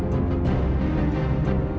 aku akan menangkanmu